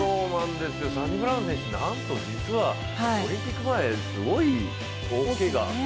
サニブラウン選手、なんと実は、オリンピック前すごい大けがを。